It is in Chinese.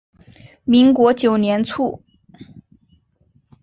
民国九年卒。